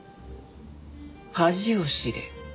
恥を知れ。